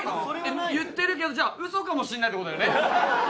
「言ってるけどじゃあ嘘かもしれないって事だよね」